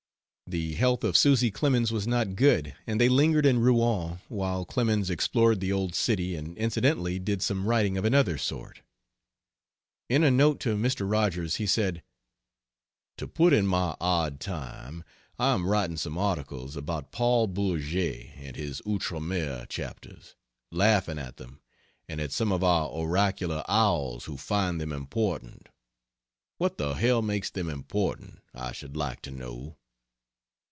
The health of Susy Clemens was not good, and they lingered in Rouen while Clemens explored the old city and incidentally did some writing of another sort. In a note to Mr. Rogers he said: "To put in my odd time I am writing some articles about Paul Bourget and his Outre Mer chapters laughing at them and at some of our oracular owls who find them important. What the hell makes them important, I should like to know!"